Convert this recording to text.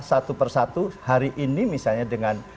satu persatu hari ini misalnya dengan